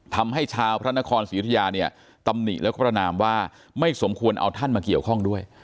ทำให้ชาวพระนครศรียุธยาเนี่ยตำหนิแล้วก็ประนามว่าไม่สมควรเอาท่านมาเกี่ยวข้องด้วย